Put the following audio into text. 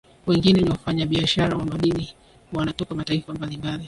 Wengine ni wafanya biashara wa madini wanatoka mataifa mbalimbali